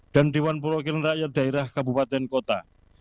dan dewan perwakilan rakyat daerah kabupaten kota